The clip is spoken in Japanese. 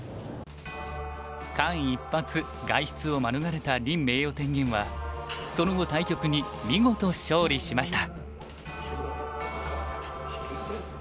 間一髪外出を免れた林名誉天元はその後対局に見事勝利しました。